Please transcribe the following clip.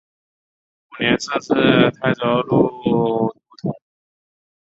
五年设置泰州路都统。